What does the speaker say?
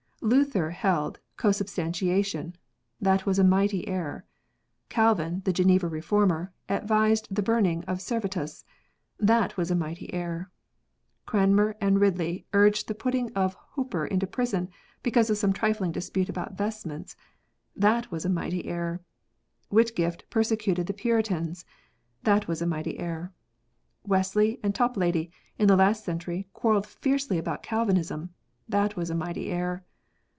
Luther held consubstantiation ; that was a mighty error. Calvin, the Geneva Reformer, advised the burning of Servetus ; that was a mighty error. Cranmer and Ridley urged the putting of Hooper into prison because of some trifling dispute about vestments ; that was a mighty error. Whitgift perse cuted the Puritans ; that was a mighty error. Wesley and Toplady in the last century quarrelled fiercely about Calvinism ; that was a mighty error.